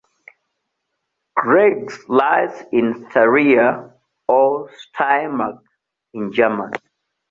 Graz lies in Styria, or "Steiermark" in German.